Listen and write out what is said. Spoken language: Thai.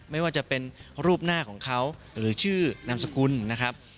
ไม่ว่าจะเป็นรูปหน้าของเขาหรือชื่อนามสกุลนะครับ